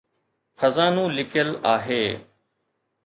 خزانو لڪيل آهي